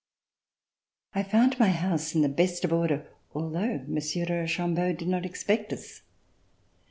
I found my house in the best of order, although Monsieur de Chambeau did not expect us.